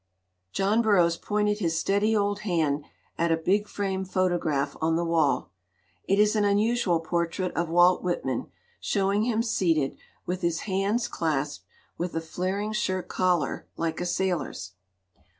John Burroughs pointed his steady old hand at a big framed photograph on the wall. It is an unusual portrait of Walt Whitman, showing him seated, with his hands clasped, with a flaring shirt collar, like a sailor's.